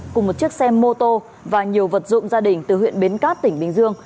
cùng một chiếc xe mô tô và nhiều vật dụng gia đình từ huyện bến cát tỉnh bình dương